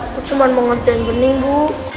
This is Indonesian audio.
aku cuma mau ngerjain bening bu